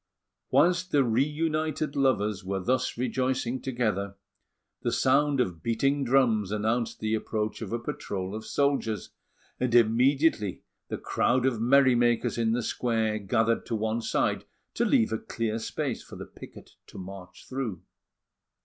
Whilst the reunited lovers were thus rejoicing together, the sound of beating drums announced the approach of a patrol of soldiers; and immediately the crowd of merry makers in the square gathered to one side to leave a clear space for the picket to march through.